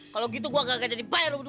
kalau gitu gue gak jadi bayar lo berdua